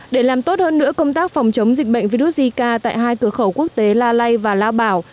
để làm tốt hơn nữa công tác phòng chống dịch bệnh virus zika tại hai cửa khẩu quốc tế la lây và lao bảo